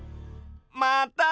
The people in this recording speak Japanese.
またね！